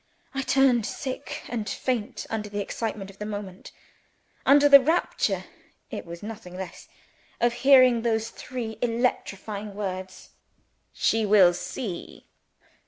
I turned sick and faint under the excitement of the moment under the rapture (it was nothing less) of hearing those three electrifying words: "She will see!"